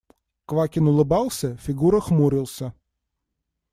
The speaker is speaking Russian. Квакин улыбался, Фигура хмурился.